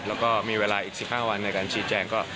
แล้วก็มีเวลาอีก๑๕วันในการชี้แจงก็